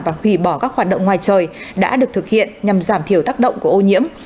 và hủy bỏ các hoạt động ngoài trời đã được thực hiện nhằm giảm thiểu tác động của ô nhiễm